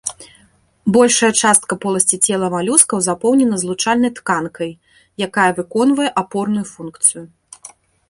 Большая частка поласці цела малюскаў запоўнена злучальнай тканкай, якая выконвае апорную функцыю.